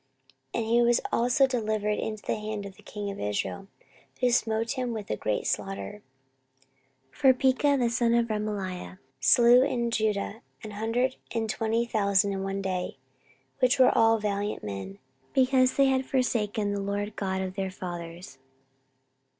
And he was also delivered into the hand of the king of Israel, who smote him with a great slaughter. 14:028:006 For Pekah the son of Remaliah slew in Judah an hundred and twenty thousand in one day, which were all valiant men; because they had forsaken the LORD God of their fathers.